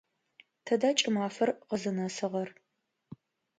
Тыда кӏымафэр къызнэсыгъэр?